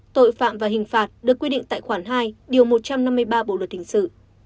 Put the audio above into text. tội phạm và hình phạt được quy định tại khoản hai điều một trăm năm mươi ba bộ luật hình sự